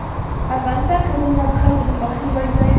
افغانستان کې غرونه د خلکو د خوښې وړ ځای دی.